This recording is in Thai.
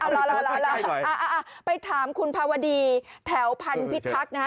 เอาล่ะไปถามคุณภาวดีแถวพันธุ์พิทักษ์นะฮะ